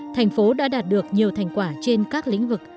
thành phố đã đạt được nhiều thành quả trên các lệnh